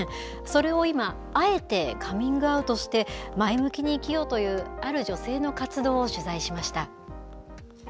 それを今、あえてカミングアウトして、前向きに生きようという、ある女性の活動を取材しました。